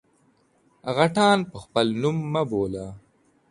_غټان په خپل نوم مه بوله!